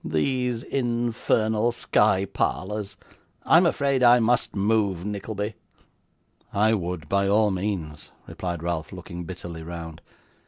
These infernal sky parlours I'm afraid I must move, Nickleby.' 'I would, by all means,' replied Ralph, looking bitterly round.